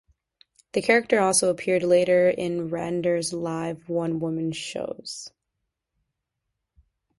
The character also appeared later in Radner's live one-woman shows.